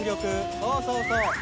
そうそうそう。